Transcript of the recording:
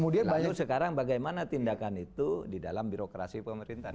banyak sekarang bagaimana tindakan itu di dalam birokrasi pemerintahan